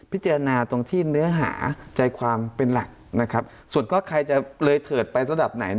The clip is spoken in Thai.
พิจารณาตรงที่เนื้อหาใจความเป็นหลักนะครับส่วนก็ใครจะเลยเถิดไปสำหรับไหน